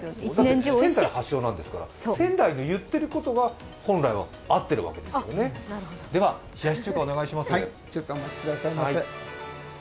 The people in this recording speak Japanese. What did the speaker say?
仙台発祥なんですから、仙台の言っていることが本来は合ってるわけなんですね、では冷やし中華、お願いします。